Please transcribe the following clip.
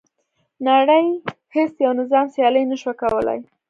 نړۍ هیڅ یو نظام سیالي نه شوه کولای.